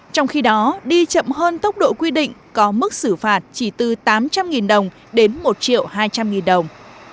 trong khi đó đi chậm hơn tốc độ quy định có mức xử phạt chỉ từ tám trăm linh đồng đến một hai trăm linh đồng